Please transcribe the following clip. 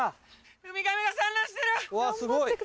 ウミガメが産卵してる！